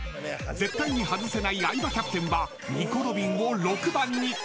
［絶対に外せない相葉キャプテンはニコ・ロビンを６番に］